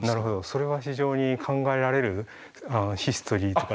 それは非常に考えられるヒストリー。